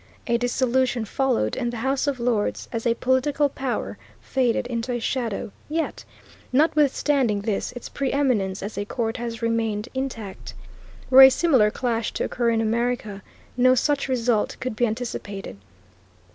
A dissolution followed and the House of Lords, as a political power, faded into a shadow; yet, notwithstanding this, its preeminence as a court has remained intact. Were a similar clash to occur in America no such result could be anticipated.